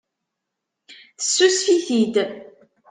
Tessusef-it-id.